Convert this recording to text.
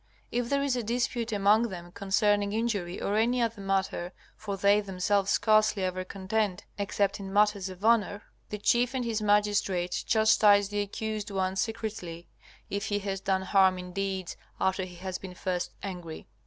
If there is a dispute among them concerning injury or any other matter (for they themselves scarcely ever contend except in matters of honor), the chief and his magistrates chastise the accused one secretly, if he has done harm in deeds after he has been first angry.